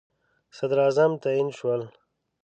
صدراعظم تعیین شول.